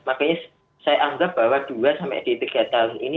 makanya saya anggap bahwa dua sampai di tiga tahun ini